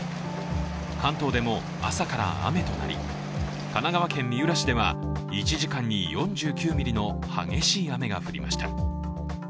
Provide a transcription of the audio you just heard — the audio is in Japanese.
関東でも朝から雨となり神奈川県三浦市では１時間に４９ミリの激しい雨が降りました。